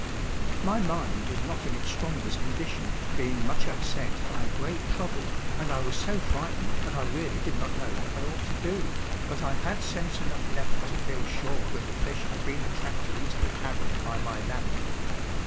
My mind was not in its strongest condition, being much upset by a great trouble, and I was so frightened that I really did not know what I ought to do, but I had sense enough left to feel sure that the fish had been attracted into the cavern by my lamp.